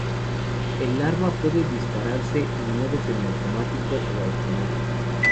El arma puede dispararse en modo semiautomático o automático.